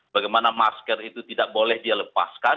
bagaimana masker itu tidak boleh dilepaskan